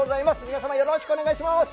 皆様よろしくお願いします！